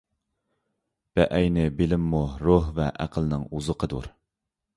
بەئەينى، بىلىممۇ روھ ۋە ئەقىلنىڭ ئوزۇقىدۇر.